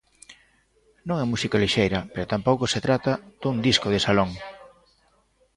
"Non é música lixeira" pero tampouco se trata "dun disco de salón".